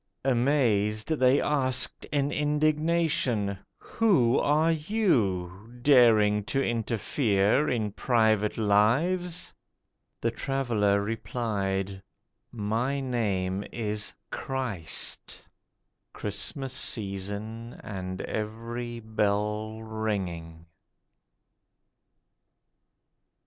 Amazed, They asked in indignation, 'Who are you, Daring to interfere in private lives?' The Traveller replied, 'My name is CHRIST.' (Christmas season, and every bell ringing.)